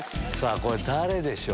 これ誰でしょう？